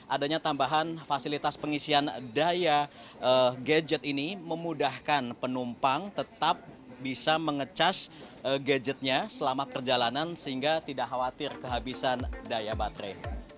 adanya tambahan fasilitas pengisian daya gadget ini memudahkan penumpang tetap bisa mengecas gadgetnya selama perjalanan sehingga tidak khawatir kehabisan daya baterai